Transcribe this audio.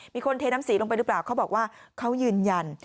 มีคนเทน้ำสีลงไปหรือเปล่าเขาบอกว่าเขายืนยัน